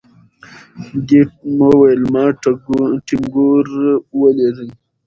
دې وويل ما ټنګور ولېږئ.